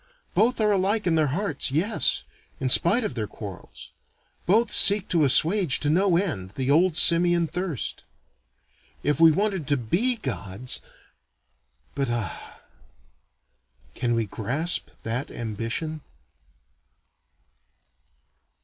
Both are alike in their hearts, yes, in spite of their quarrels. Both seek to assuage to no end, the old simian thirst. If we wanted to be Gods but ah, can we grasp that ambition?